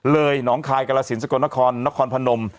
หนองคายกรสินสกลนครนครพนม